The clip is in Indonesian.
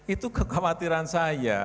itu kekhawatiran saya